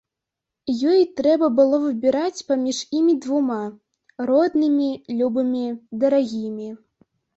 Ёй трэба было выбіраць паміж імі двума, роднымі, любымі, дарагімі.